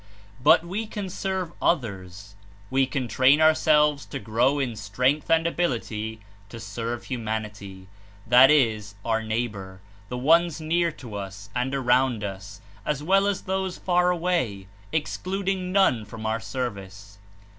But we can serve others. We can train ourselves to grow in strength and ability to serve humanity, that is — our neighbor, the ones near to us and around us as well as those far away, excluding none from our service.